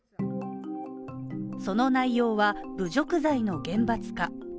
その内容は、侮辱罪の厳罰化。